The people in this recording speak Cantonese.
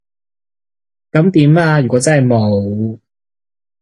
噉點啊？如果真係冇